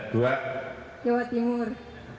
dua jawa timur